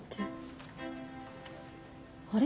あれ？